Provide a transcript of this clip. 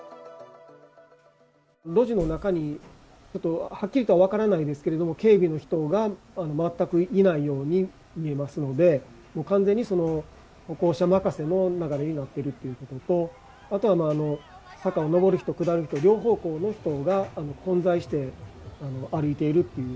路地の中に、はっきりとは分からないですけれども、警備の人が全くいないように見えますので、完全に歩行者任せの流れになっているっていうことと、あとは坂を上る人、下る人、両方向の人が混在して歩いているっていう。